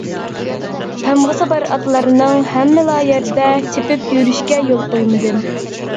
تامغىسى بار ئاتلارنىڭ ھەممىلا يەردە چېپىپ يۈرۈشىگە يول قويمىدىم.